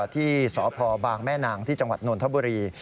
ที่สพบางแม่นางที่จังหวัดนนทบุรี